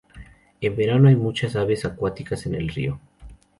En verano hay muchas aves acuáticas en el río.